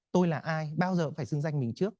tôi là ai bao giờ cũng phải xưng danh mình là ai